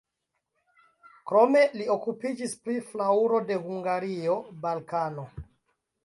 Krome li okupiĝis pri flaŭro de Hungario, Balkano.